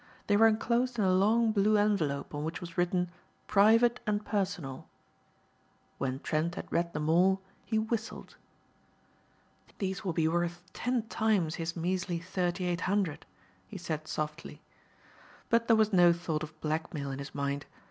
They were enclosed in a long, blue envelope on which was written "Private and Personal." When Trent had read them all he whistled. "These will be worth ten times his measly thirty eight hundred," he said softly. But there was no thought of blackmail in his mind.